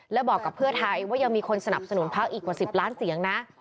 และบอกกับเพื่อไทยว่ายังมีคนสนับสนุนพักอีกกว่า๑๐ล้านเสียงนะ